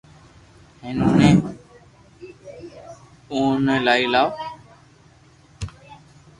ھين اوني اونلائي لاوو